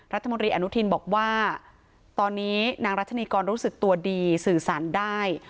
รัฐมนตรีอนุทินบอกว่าตอนนี้นางรัชนีกรรู้สึกตัวดีสื่อสารได้